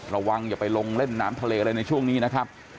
ระวังอย่าไปลงเล่นน้ำทะเลอะไรในช่วงนี้นะครับ